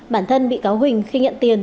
bản thân bị cáo huỳnh khi nhận tiền